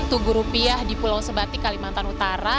tugu rupiah di pulau sebatik kalimantan utara